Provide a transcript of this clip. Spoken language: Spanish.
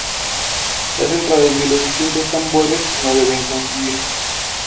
Las entradas de los distintos tambores no deben coincidir.